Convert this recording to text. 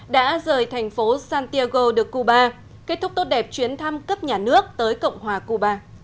đã rời thành phố santiago de cuba kết thúc tốt đẹp chuyến thăm cấp nhà nước tới cộng hòa cuba